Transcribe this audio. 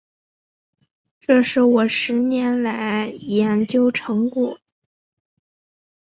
这是我十年来的研究成果